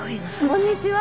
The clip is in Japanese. こんにちは。